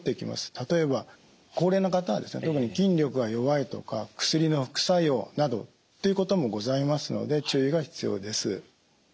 例えば高齢の方は特に筋力が弱いとか薬の副作用などということもございますので注意が必要です。